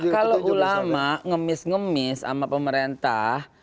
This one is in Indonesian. kalau ulama ngemis ngemis sama pemerintah